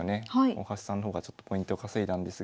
大橋さんの方がちょっとポイントを稼いだんですが。